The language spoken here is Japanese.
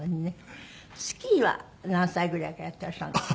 スキーは何歳ぐらいからやってらっしゃるんですか？